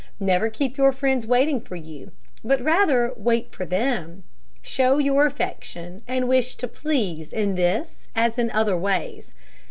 Never keep your friends waiting for you, but rather wait for them. Show your affection and wish to please in this as in other ways.